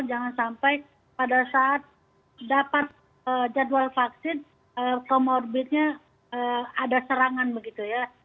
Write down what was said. jangan sampai pada saat dapat jadwal vaksin comorbidnya ada serangan begitu ya